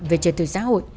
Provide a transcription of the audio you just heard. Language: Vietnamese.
về trợ tử xã hội